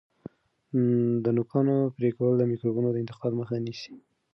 د نوکانو پرې کول د میکروبونو د انتقال مخه نیسي.